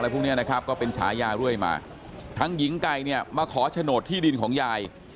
แล้วพรุ่งนี้ก็เป็นฉายาด้วยมาทางหญิงไก่มาขอฉโนตที่ดินของยาย